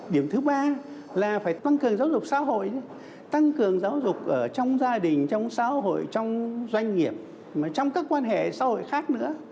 điểm thứ ba là phải tăng cường giáo dục xã hội tăng cường giáo dục ở trong gia đình trong xã hội trong doanh nghiệp mà trong các quan hệ xã hội khác nữa